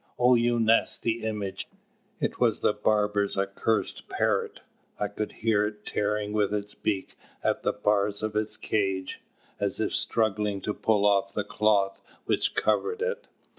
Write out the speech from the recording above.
Oh, you nasty image!" It was the barber's accursed parrot. I could hear it tearing with its beak at the bars of its cage, as if struggling to pull off the cloth which covered it.